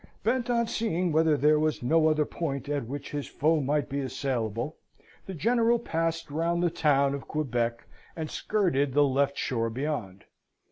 Bent on seeing whether there was no other point at which his foe might be assailable, the General passed round the town of Quebec and skirted the left shore beyond.